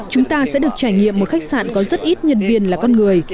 chúng ta sẽ được trải nghiệm một khách sạn có rất ít nhân viên là con người